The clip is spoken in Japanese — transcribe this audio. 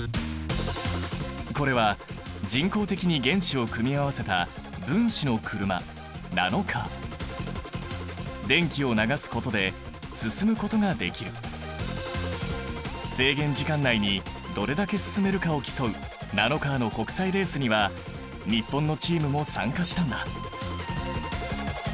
これは人工的に原子を組み合わせた分子の車制限時間内にどれだけ進めるかを競うナノカーの国際レースには日本のチームも参加したんだ。